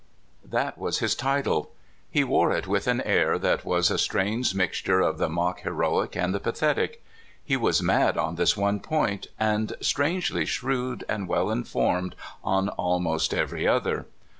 THAT was his title. He wore it with an air that was a strange mixture of the mock heroic and the pathetic. He was mad on this one point, and strangely shrewd and well informed on almost every other.